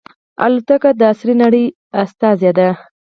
الوتکه د عصري نړۍ استازې ده.